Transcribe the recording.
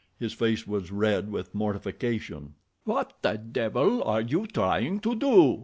His face was red with mortification. "What the devil are you trying to do?"